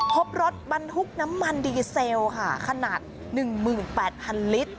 พบรถบรรทุกน้ำมันดีเซลค่ะขนาด๑๘๐๐๐ลิตร